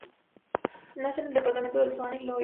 Nace en el departamento de Saona y Loira.